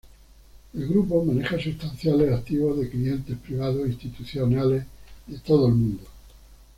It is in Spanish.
El grupo maneja substanciales activos de clientes privados e institucionales de todo el mundo.